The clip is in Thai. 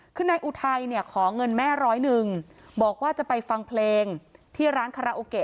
คือนายอุทัยเนี่ยขอเงินแม่ร้อยหนึ่งบอกว่าจะไปฟังเพลงที่ร้านคาราโอเกะ